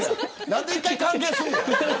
何で一回、関係すんねん。